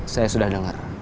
saya sudah dengar